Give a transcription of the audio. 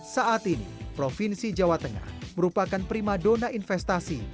saat ini provinsi jawa tengah merupakan prima dona investasi